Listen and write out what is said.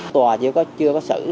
tòa chưa có xử là không có xử